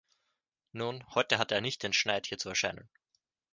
Nun, heute hatte er nicht den Schneid, hier zu erscheinen.